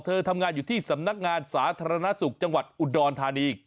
ทำงานอยู่ที่สำนักงานสาธารณสุขจังหวัดอุดรธานี